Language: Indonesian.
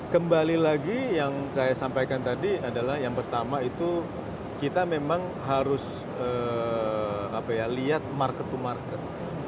kembali lagi yang saya sampaikan tadi adalah yang pertama itu kita memang harus lihat market to market